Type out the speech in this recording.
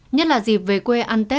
nhất là dịp về quê ăn tết